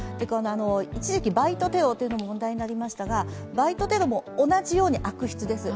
一時期、バイトテロというのも問題になりましたが、バイトテロも同じように悪質です。